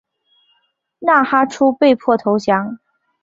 纳哈出被迫投降。